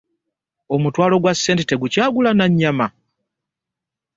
Omutwalo gwa ssente tegukyagula na nnyama.